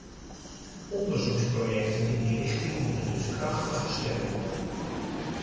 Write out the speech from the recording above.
Onderzoeksprojecten in die richting moeten dus krachtig gesteund worden.